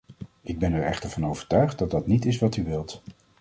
Ik ben er echter van overtuigd dat dat niet is wat u wilt.